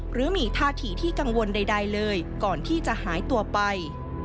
หรือมีท่าทีที่กังวลใดเลยก่อนที่จะหายตัวไป